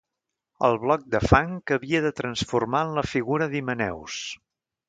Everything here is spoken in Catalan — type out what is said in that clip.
El bloc de fang que havia de transformar en la figura d'Himeneus